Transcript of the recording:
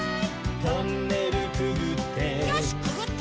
「トンネルくぐって」